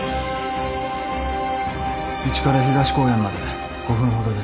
うちから東公園まで５分ほどです。